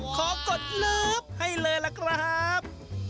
กดลืบให้เลยล่ะครับ